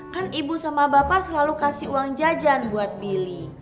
kan ibu sama bapak selalu kasih uang jajan buat billy